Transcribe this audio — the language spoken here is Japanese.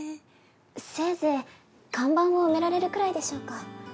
せいぜい看板を埋められるくらいでしょうか。